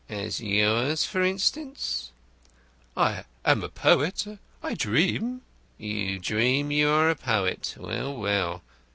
"As yours, for instance?" "I am a poet; I dream." "You dream you are a poet. Well, well!